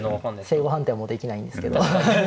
正誤判定もできないんですけど。